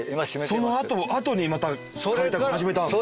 そのあとあとにまた開拓始めたんですか？